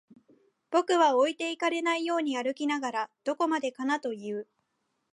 僕は置いてかれないように歩きながら、どこまでかなと言う